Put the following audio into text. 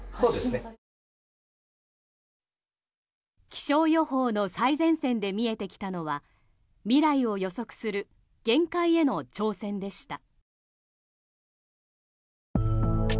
気象予報の最前線で見えてきたのは未来を予測する限界への挑戦でした。